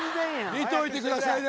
見ておいてくださいね！